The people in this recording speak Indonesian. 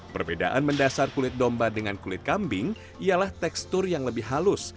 perbedaan mendasar kulit domba dengan kulit kambing ialah tekstur yang lebih halus